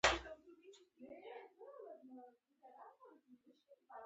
چوکۍ د تلویزیون مخې ته ایښودل کېږي.